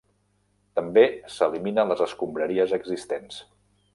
També s'elimina les escombraries existents.